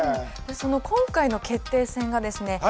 その今回の決定戦がですね